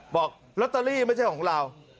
บอกลอตเตอรี่ไม่ใช่ของเรา